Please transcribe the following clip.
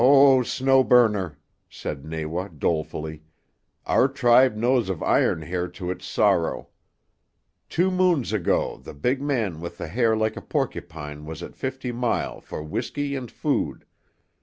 "Oh, Snow Burner," said Nawa dolefully, "our tribe knows of Iron Hair to its sorrow. Two moons ago the big man with the hair like a porcupine was at Fifty Mile for whisky and food.